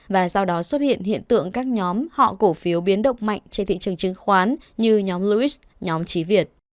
và sau đó xuất hiện hiện tượng các nhóm họ cổ phiếu biến động mạnh trên thị trường chứa khoán như nhóm luis nhóm chí việt